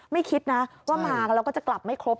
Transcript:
ไม่คิดนะว่ามาแล้วก็จะกลับไม่ครบ